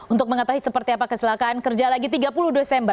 untuk mengetahui seperti apa kecelakaan kerja lagi tiga puluh desember